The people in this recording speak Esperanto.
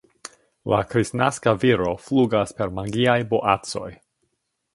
La kristnaska viro flugas per magiaj boacoj.